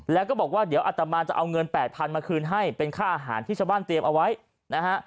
แล้วก็บอกว่าเดี๋ยวอัตมาจะเอาเงินแปดพันมาคืนให้เป็นค่าอาหารที่ชาวบ้านเตรียมเอาไว้นะฮะ